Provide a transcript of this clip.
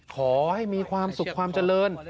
ขอให้มีความสุขความเจริญ